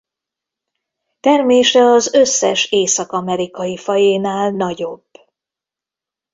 Termése az összes észak-amerikai fajénál nagyobb.